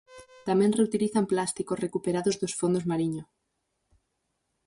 Tamén reutilizan plásticos recuperados dos fondos mariño.